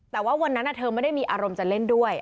แต่ว่าวันนั้นเธอไม่ได้มีอารมณ์จะเล่นด้วย